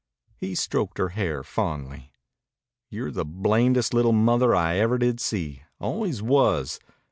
He stroked her hair fondly. "You're the blamedest little mother ever I did see always was.